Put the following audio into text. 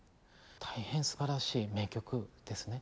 大変すばらしい名曲ですね。